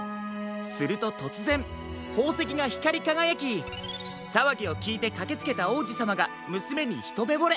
するととつぜんほうせきがひかりかがやきさわぎをきいてかけつけたおうじさまがむすめにひとめぼれ。